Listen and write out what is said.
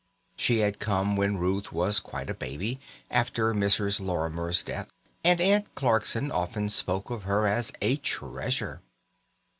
She had come when Ruth was quite a baby, after Mrs. Lorimer's death, and Aunt Clarkson often spoke of her as "a treasure".